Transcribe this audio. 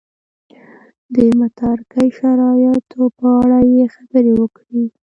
د متارکې د شرایطو په اړه یې خبرې وکړې.